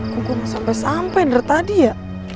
gue gak sampai sampai ngerit tadi ya